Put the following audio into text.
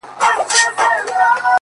لمرمخی یار چي عادت نه لري د شپې نه راځي-